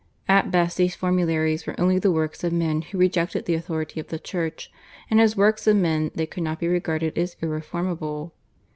At best these formularies were only the works of men who rejected the authority of the Church, and as works of men they could not be regarded as irreformable.